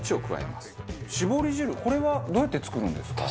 これはどうやって作るんですか？